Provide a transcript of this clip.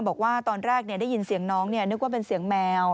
บอกว่าตอนแรกได้ยินเสียงน้องนึกว่าเป็นเสียงแมว